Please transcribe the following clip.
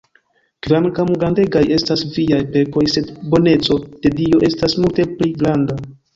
Kvankam grandegaj estas viaj pekoj, sed boneco de Dio estas multe pli granda!